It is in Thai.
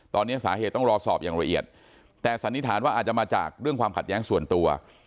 ตอนนี้สาเหตุต้องรอสอบอย่างละเอียดแต่สันนิษฐานว่าอาจจะมาจากเรื่องความขัดแย้งส่วนตัว